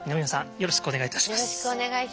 よろしくお願いします。